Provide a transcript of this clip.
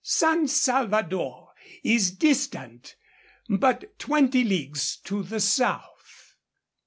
San Salvador is distant but twenty leagues to the south.